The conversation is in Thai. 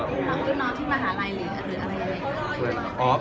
น้องโต้น้อที่มหาลัยหรืออะไร